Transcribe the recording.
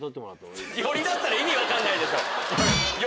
ヨリだったら意味分かんないでしょ！